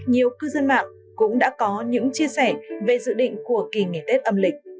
nhiều cư dân mạng cũng đã có những chia sẻ về dự định của kỳ nghỉ tết âm lịch